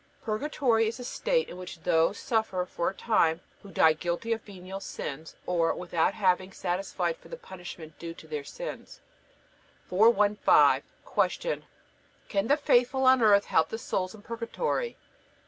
Purgatory is a state in which those suffer for a time who die guilty of venial sins, or without having satisfied for the punishment due to their sins. 415. Q. Can the faithful on earth help the souls in Purgatory?